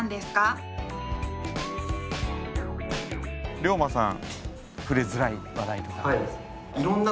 りょうまさん触れづらい話題とかありますか？